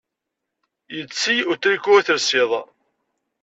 Yetti utriku i telsiḍ.